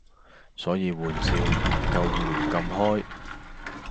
所以玩笑唔能夠亂咁開